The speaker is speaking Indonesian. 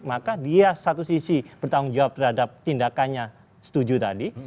maka dia satu sisi bertanggung jawab terhadap tindakannya setuju tadi